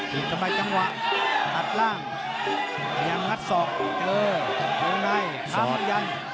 หลีกเข้าไปจังหวะตัดล่างยังงัดศอกเจอตรงในตามอย่าง